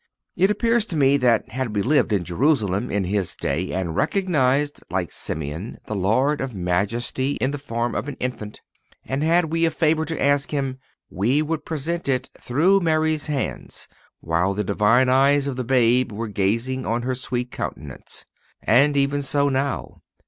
It appears to me that had we lived in Jerusalem in His day and recognized, like Simeon, the Lord of majesty in the form of an Infant, and had we a favor to ask Him, we would present it through Mary's hands while the Divine eyes of the Babe were gazing on her sweet countenance. And even so now.